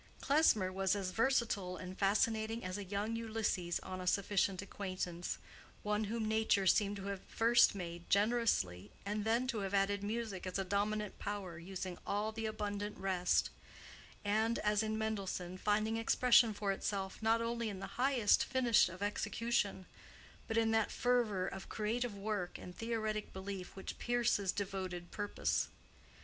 Klesmer was as versatile and fascinating as a young Ulysses on a sufficient acquaintance—one whom nature seemed to have first made generously and then to have added music as a dominant power using all the abundant rest, and, as in Mendelssohn, finding expression for itself not only in the highest finish of execution, but in that fervor of creative work and theoretic belief which pierces the whole future of a life with the delight of congruous devoted purpose.